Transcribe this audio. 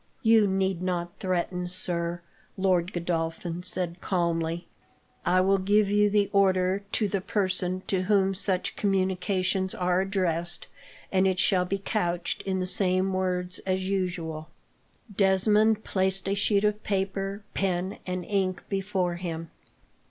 "You need not threaten, sir," Lord Godolphin said calmly. "I will give you the order, to the person to whom such communications are addressed, and it shall be couched in the same words as usual." Desmond placed a sheet of paper, pen, and ink before him.